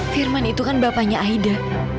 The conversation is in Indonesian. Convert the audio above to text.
firman itu kan bapaknya aida